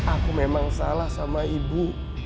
aku memang salah sama ibu